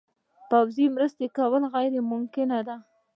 پوځي مرستې کول غیر ممکنه ده.